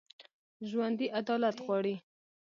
ژوندي عدالت غواړي